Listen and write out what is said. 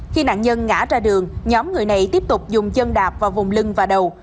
khi nạn nhân ngã ra đường nhóm người này tiếp tục dùng chân đạp vào vùng lưng và đầu